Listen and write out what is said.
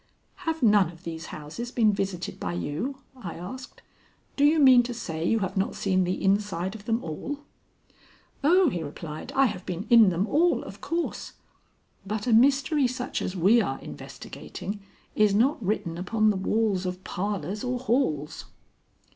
"Have none of these houses been visited by you?" I asked. "Do you mean to say you have not seen the inside of them all?" "Oh," he replied, "I have been in them all, of course; but a mystery such as we are investigating is not written upon the walls of parlors or halls."